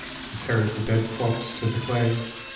And carried the dead corpse to the clay.